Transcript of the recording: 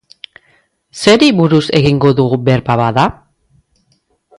Zeri buruz egingo dugu berba bada?